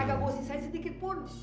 kagak gue sisain sedikitpun